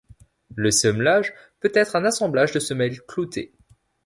Le semelage peut être un assemblage de semelles cloutées.